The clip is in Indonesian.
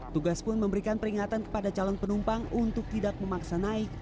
tugas pun memberikan peringatan kepada calon penumpang untuk tidak memaksa naik